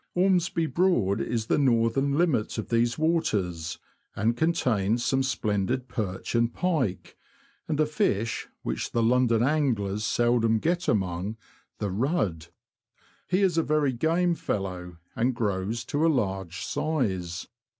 Ormsby Broad is the northern limit of these waters, and contains some splendid perch and pike, and a fish which London anglers seldom get among — the rudd. He is a very game fellow, and grows to a large size.